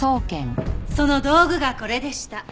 その道具がこれでした。